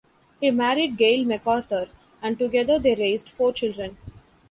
He married Gayle MacArthur and together they raised four children.